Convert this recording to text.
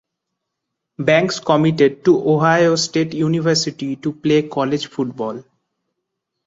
Banks committed to Ohio State University to play college football.